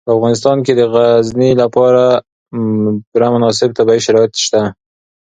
په افغانستان کې د غزني لپاره پوره مناسب طبیعي شرایط شته.